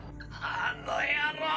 あの野郎！！